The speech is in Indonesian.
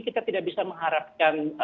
kita tidak bisa mengharapkan